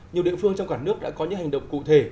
nhiều địa phương trong cả nước đã có những hành động cụ thể